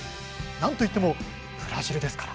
なんといってもブラジルですから。